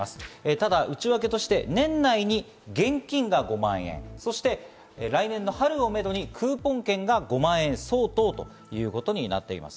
ただ内訳として年内に現金が５万円、そして来年の春をめどにクーポン券が５万円相当ということになっています。